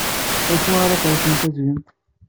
D acu ara teɣsemt ad t-tgemt?